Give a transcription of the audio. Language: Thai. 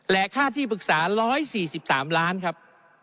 และค่าที่ปรึกษา๑๔๓ล้านครับ